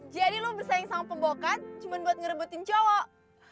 jadi lu bersaing sama pembokat cuman buat ngerebutin cowok